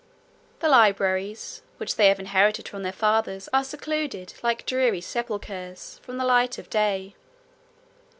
47 The libraries, which they have inherited from their fathers, are secluded, like dreary sepulchres, from the light of day.